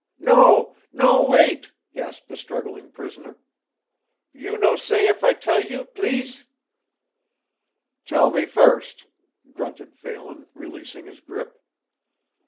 "No no wait!" gasped the struggling prisoner. "You no say if I tell you, plees?" "Tell me first," grunted Phelan, releasing his grip.